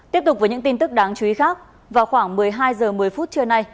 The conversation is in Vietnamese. tiếp tục với những tin tức đáng chú ý khác vào khoảng một mươi hai h một mươi phút trưa nay